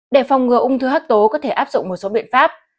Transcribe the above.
để phòng ngừa ung thư hấp tố có thể áp dụng một số biện pháp